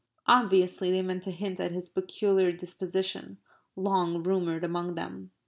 Obviously they meant to hint at his peculiar disposition long rumoured among them.